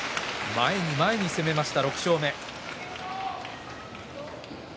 前に前に攻めました、６勝目。